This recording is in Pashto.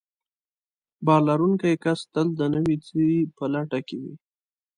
باور لرونکی کس تل د نوي څه په لټه کې وي.